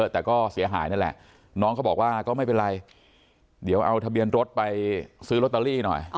แต่ก็เสียหายนั่นแหละน้องเขาบอกว่าก็ไม่เป็นไรเดี๋ยวเอาทะเบียนรถไปซื้อลอตเตอรี่หน่อย